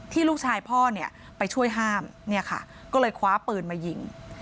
ที่ลูกชายพ่อไปช่วยห้ามก็เลยคว้าปืนมายิง